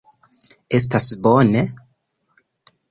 Estas bone!